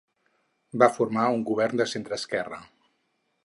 Va formar un govern de centreesquerra.